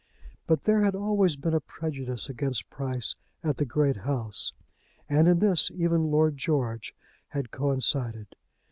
But there had always been a prejudice against Price at the great house, and in this even Lord George had coincided.